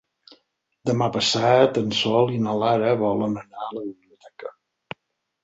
Demà passat en Sol i na Lara volen anar a la biblioteca.